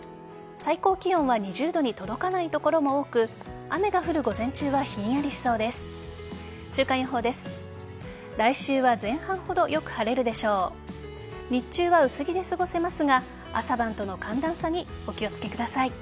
最高気温は２０度に届かない所も多く雨が降る午前中はひんやりしそうです。